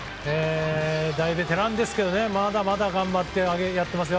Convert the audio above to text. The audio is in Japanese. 大ベテランですけどまだまだ頑張ってやってますよ